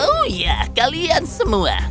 oh ya kalian semua